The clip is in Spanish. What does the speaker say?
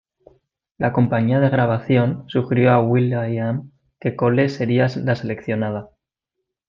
La compañía de grabación sugirió a Will.i.am que Cole sería la seleccionada.